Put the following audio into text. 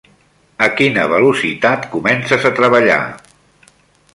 A quina velocitat comences a treballar?